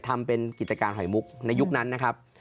ทำเป็นกิจการหอยมุกในยุคนั้นนะครับ